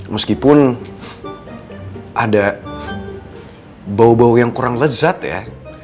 meskipun ada bau bau yang kurang lezat ya